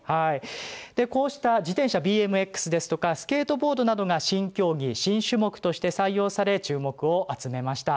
こうした自転車、ＢＭＸですとかスケートボードなどが新競技新種目として採用され、注目を集めました。